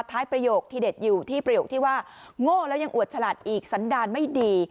ประโยคที่เด็ดอยู่ที่ประโยคที่ว่าโง่แล้วยังอวดฉลาดอีกสันดารไม่ดี